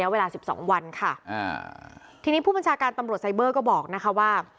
เวลาสิบสองวันค่ะอ่าทีนี้ผู้บัญชาการตำรวจไซเบอร์ก็บอกนะคะว่า